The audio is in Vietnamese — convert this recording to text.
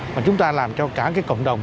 mà chúng ta làm cho cả cái cộng đồng